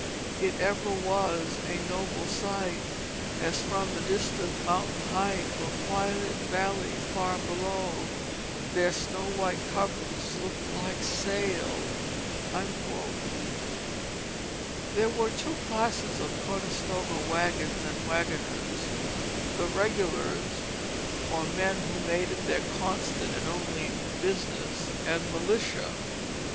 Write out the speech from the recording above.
It ever was a noble sight As from the distant mountain height Or quiet valley far below, Their snow white covers looked like sail." There were two classes of Conestoga wagons and wagoners. The "Regulars," or men who made it their constant and only business; and "Militia."